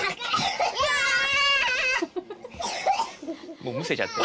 もうむせちゃって。